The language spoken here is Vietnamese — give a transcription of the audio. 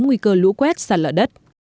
nguy cơ lũ quét sạt lở đất